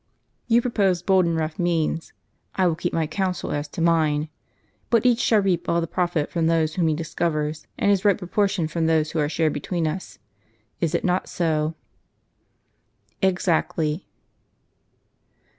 You propose bold and rough means; I will keep my counsel as to mine. But each shall reap all the profit from those whom he discov ers; and his right proportion from those who are shared between us. Is it not so? "" Exactly."